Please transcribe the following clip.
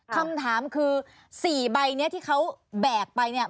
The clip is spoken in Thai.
คำถามคือ๔ใบนี้ที่เขาแบกไปเนี่ย